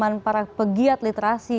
dan dari pegiat literasi